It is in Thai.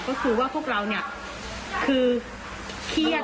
ก็คือว่าพวกเราคือเครียด